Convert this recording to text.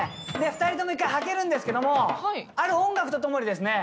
２人とも１回はけるけどある音楽とともにですね。